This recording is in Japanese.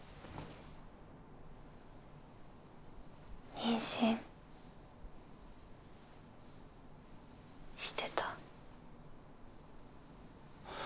妊娠してた。